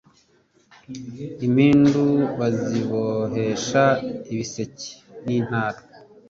impindu bazibohesha ibiseke n' Intara